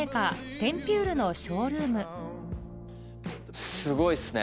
テンピュールのショールームすごいっすね